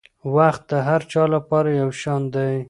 وخت د هر چا لپاره یو شان دی.